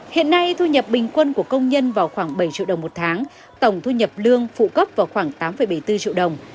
hiện nay thu nhập bình quân của công nhân vào khoảng bảy triệu đồng một tháng tổng thu nhập lương phụ cấp vào khoảng tám bảy mươi bốn triệu đồng